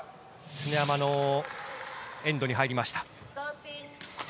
常山のエンドに入りました。